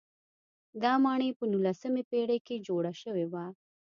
دا ماڼۍ په نولسمې پېړۍ کې جوړه شوې وه.